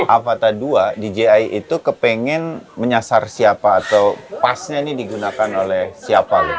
avata dua dji itu kepengen menyasar siapa atau pass nya ini digunakan oleh siapa